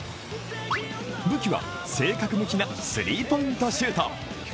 武器は正確無比なスリーポイントシュート。